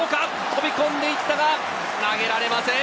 飛び込んで行ったが投げられません！